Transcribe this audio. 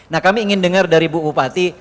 nah kami ingin dengar dari bu bupati